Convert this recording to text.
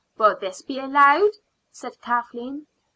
"Will this be allowed?" said Kathleen.